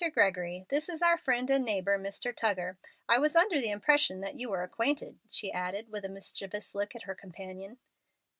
Gregory, this is our friend and neighbor Mr. Tuggar. I was under the impression that you were acquainted," she added, with a mischievous look at her companion.